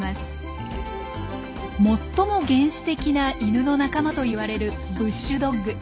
最も原始的なイヌの仲間といわれるブッシュドッグ。